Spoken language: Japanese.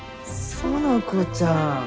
園子ちゃん。